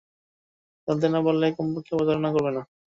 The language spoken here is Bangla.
খেলতে না পারলে কমপক্ষে প্রতারণা করবে না।